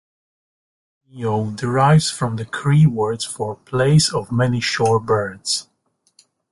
Ma-Me-O derives from the Cree words for "place of many shore birds".